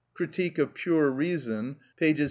(Critique of Pure Reason, V. p.